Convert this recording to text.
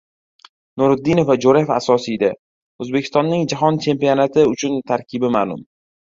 Nuriddinov va Jo‘rayev asosiyda. O‘zbekistonning Jahon chempionati uchun tarkibi ma’lum